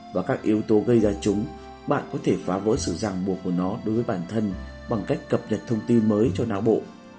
và các yếu tố gây ra chúng bạn có thể phá vỡ sự ràng buộc của nó đối với bản thân bằng cách cập nhật thông tin mới cho não bộ